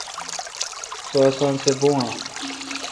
سو اسان سہ بھون اے۔